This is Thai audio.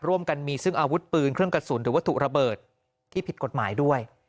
ร่วมกันมีซึ่งอาวุธปืนเครื่องกระสุนหรือวัตถุระเบิดที่ผิดกฎหมายด้วย